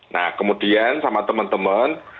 nah kemudian sama teman teman